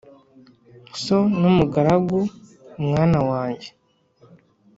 so numugaragu mwana wanjye